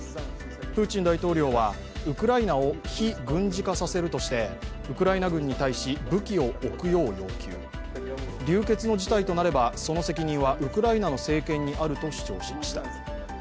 プーチン大統領はウクライナを非軍事化させるとしてウクライナ軍に対し武器を置くよう要求、流血の事態となればその責任はウクライナの政権にあると主張しました。